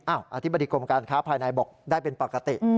อธิบดีกรมการค้าภายในบอกได้เป็นปกติ